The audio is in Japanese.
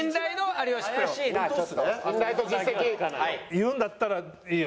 言うんだったらいいよ。